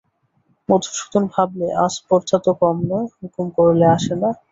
মধুসূদন ভাবলে, আস্পর্ধা তো কম নয়, হুকুম করলে আসে না।